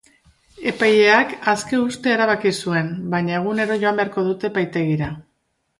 Epaileak aske uztea erabaki zuen, baina egunero joan beharko dute epaitegira.